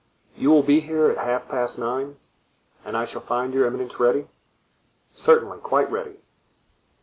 "You will be here at half past nine." "And I shall find your eminence ready?" "Certainly, quite ready."